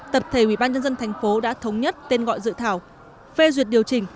tập thể ubnd thành phố đã thống nhất tên gọi dự thảo phê duyệt điều chỉnh